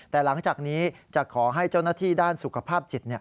แต่หลังจากนี้จะขอให้เจ้าหน้าที่ด้านสุขภาพจิต